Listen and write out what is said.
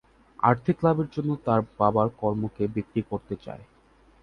আর্থিক লাভের জন্য তারা বাবার কর্মকে বিক্রি করতে চায়।